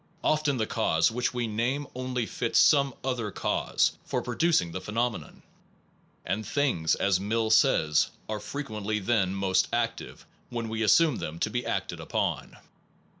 Often the cause which we name only fits some other cause for producing the phenomenon; and things, as Mill says, are fre quently then most active when we assume them to be acted upon.